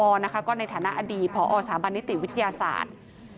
แล้วก็ในฐานะอดีต์พรสบนิติวิทยาศาสตร์